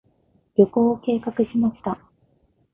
旅行を計画しました。